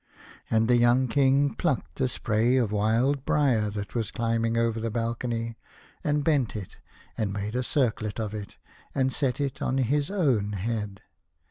" And the young King plucked a spray of wild briar that was climbing over the balcony, and bent it, and made a circlet of it, and set it on his own head.